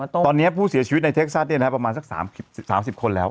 ตอนนี้ผู้เสียชีวิตในเท็กซัสประมาณสัก๓๐คนแล้ว